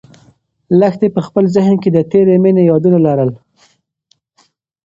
لښتې په خپل ذهن کې د تېرې مېنې یادونه لرل.